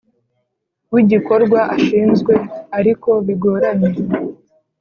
W igikorwa ashinzwe ariko bigoranye